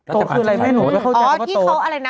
โต๊ดคืออะไรไม่หนูแล้วเขาแจ้งว่าโต๊ดอ๋อที่เขาอะไรนะ